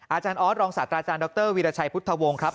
อาจารย์ออสรองศาสตราจารย์ดรวีรชัยพุทธวงศ์ครับ